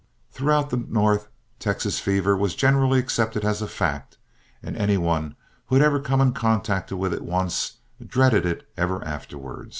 Throughout the North, Texas fever was generally accepted as a fact, and any one who had ever come in contact with it once, dreaded it ever afterward.